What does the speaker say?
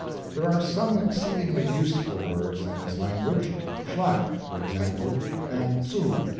There are some exceedingly useful words in this language. SCHLAG, for example; and ZUG.